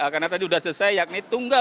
karena tadi sudah selesai yakni tunggal